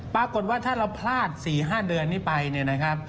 ปรากฏว่าถ้าเราพลาด๔๕เดือนนี้ไปเนี่ยนะครับ